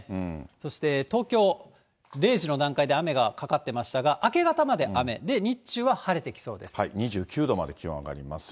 そして東京、０時の段階で雨がかかってましたが、明け方まで雨、２９度まで気温上がります。